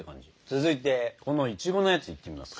続いてこのいちごのやついってみますか。